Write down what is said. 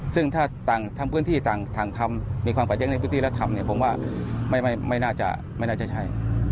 ซึ่งถ้าต่างพื้นที่ต่างทางทำมีความประเย็นในพื้นที่แล้วทำผมว่าไม่น่าจะใช้